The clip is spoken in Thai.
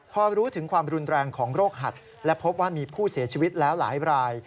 พอรู้ถึงความรุนแรงของโรคหัดและพบว่ามีผู้เสียชีวิตแล้วหลายราย